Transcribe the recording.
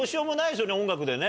音楽でね。